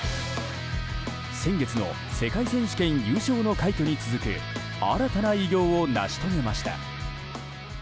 先月の世界選手権優勝の快挙に続く新たな偉業を成し遂げました。